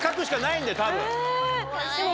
多分。